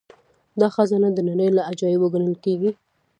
دا خزانه د نړۍ له عجايبو ګڼل کیږي